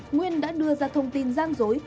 nguyên đã đưa ra thông tin gian dối